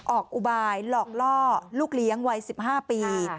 อุบายหลอกล่อลูกเลี้ยงวัย๑๕ปี